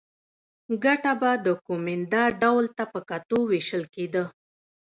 ګټه به د کومېندا ډول ته په کتو وېشل کېده